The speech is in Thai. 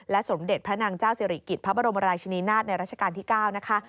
สมเด็จพระนางเจ้าสิริกิจพระบรมราชนีนาฏในราชการที่๙นะคะ